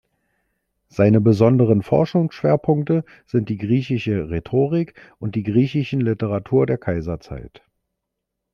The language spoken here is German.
Seine besonderen Forschungsschwerpunkte sind die griechische Rhetorik und die griechischen Literatur der Kaiserzeit.